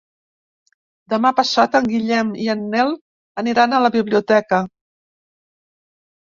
Demà passat en Guillem i en Nel aniran a la biblioteca.